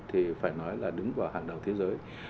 thì phải nói là đứng vào hàng đầu thế giới